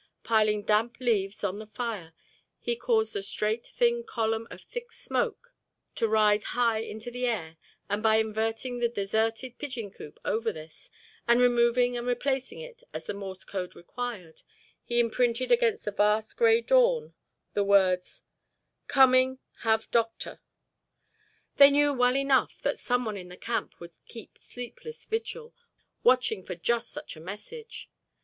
Piling damp leaves on the fire he caused a straight thin column of thick smoke to rise high into the air and by inverting the deserted pigeon coop over this, and removing and replacing it as the Morse code required, he imprinted against the vast gray dawn the words COMING HAVE DOCTOR They knew well enough that some one in the camp would keep sleepless vigil, watching for just such a message.